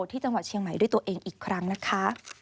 ที่จังหวัดเชียงใหม่ด้วยตัวเองอีกครั้งนะคะ